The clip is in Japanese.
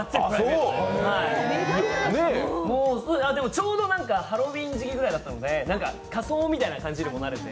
ちょうどハロウィン時期くらいだったので、仮装みたいな感じになれて。